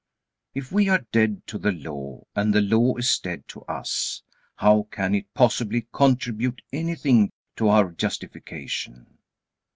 If we are dead to the Law and the Law is dead to us, how can it possibly contribute anything to our justification?